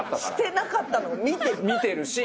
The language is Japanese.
してなかったのを見てる。